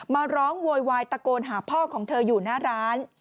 มาร้องโวยวายตะโกนหาพ่อของเธออยู่หน้าร้าน